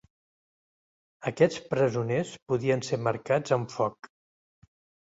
Aquests presoners podien ser marcats amb foc.